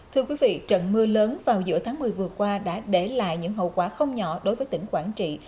thưa quý vị trận mưa lớn vào giữa tháng một mươi vừa qua đã để lại những hậu quả không nhỏ đối với tỉnh quảng trị